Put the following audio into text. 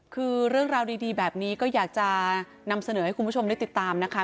คือเรื่องราวดีแบบนี้ก็อยากจะนำเสนอให้คุณผู้ชมได้ติดตามนะคะ